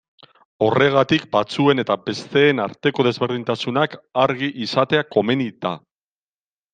Horregatik, batzuen eta besteen arteko desberdintasunak argi izatea komeni da.